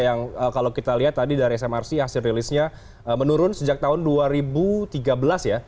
yang kalau kita lihat tadi dari smrc hasil rilisnya menurun sejak tahun dua ribu tiga belas ya